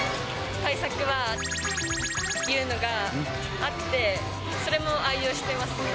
対策は×××というのがあってそれも愛用してます。